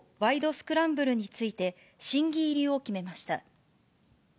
スクランブルについて、審議入りを決めました。